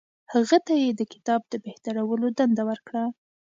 هغه ته یې د کتاب د بهترولو دنده ورکړه.